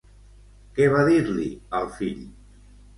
Què va dir-li, al fill?